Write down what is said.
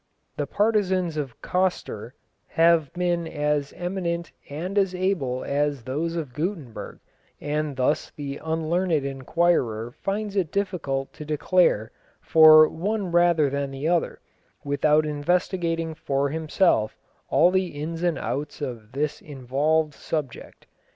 The partisans of Coster have been as eminent and as able as those of Gutenberg, and thus the unlearned enquirer finds it difficult to declare for one rather than the other, without investigating for himself all the ins and outs of this involved subject.